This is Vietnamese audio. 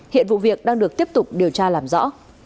hiện vụ việc đang được tiếp tục điều tra làm rõ